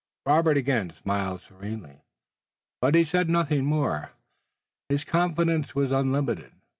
Robert again smiled serenely, but he said nothing more. His confidence was unlimited.